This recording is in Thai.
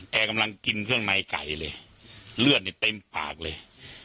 กำลังกินเครื่องในไก่เลยเลือดนี่เต็มปากเลย